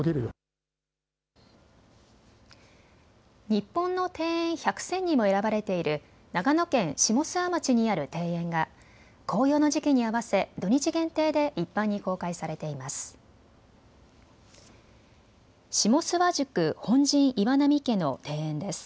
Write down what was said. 日本の庭園１００選にも選ばれている長野県下諏訪町にある庭園が紅葉の時期に合わせ、土日限定で一般に公開されています。